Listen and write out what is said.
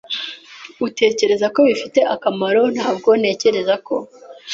Utekereza ko bifite akamaro? Ntabwo ntekereza ko.